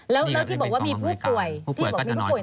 แล้วที่บอกว่ามีผู้ป่วย